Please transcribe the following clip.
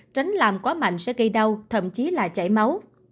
tránh làm quá mạnh sẽ gây đau thậm chí là chảy máu